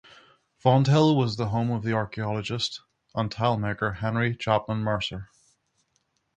Fonthill was the home of the archeologist and tile maker Henry Chapman Mercer.